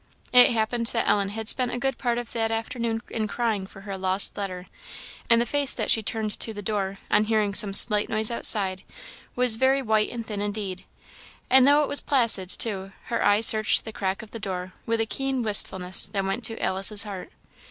It happened that Ellen had spent a good part of that afternoon in crying for her lost letter; and the face that she turned to the door, on hearing some slight noise outside, was very white and thin indeed. And though it was placid, too, her eye searched the crack of the door with a keen wistfulness that went to Alice's heart.